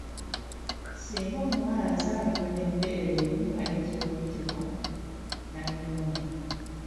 Singa omuwala azaalibwa n’ebbeere limu ayinza okuyitibwa Nakinyomo.